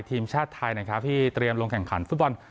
ทีมชาติไทยนะครับที่เตรียมลงแข่งขันฟุตบอล